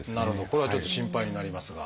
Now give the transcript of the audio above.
これはちょっと心配になりますが。